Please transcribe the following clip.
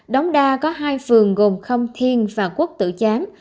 đóng đa có hai phường gồm không thiên và quốc tử chán